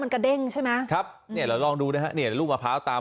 มันกระเด้งใช่ไหมครับเนี่ยเราลองดูนะฮะเนี่ยลูกมะพร้าวตาม